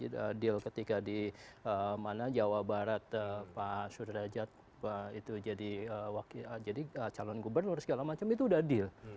deal ketika di mana jawa barat pak sudrajat itu jadi calon gubernur segala macam itu sudah deal